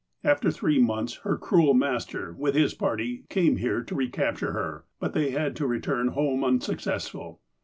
"After three months, her cruel master, with his party, came here to recapture her, but they had to return home unsuccess ful.